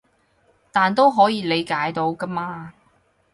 但都可以理解到㗎嘛